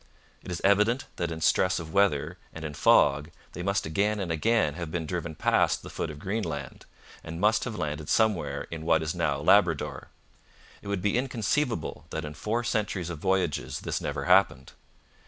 It is evident that in stress of weather and in fog they must again and again have been driven past the foot of Greenland, and must have landed somewhere in what is now Labrador. It would be inconceivable that in four centuries of voyages this never happened.